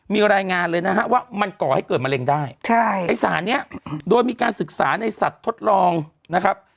มีรายงานเลยนะฮะว่ามันก่อให้เกิดมะเร็งได้ใช่ไอ้สารเนี้ยโดยมีการศึกษาในสัตว์ทดลองนะครับ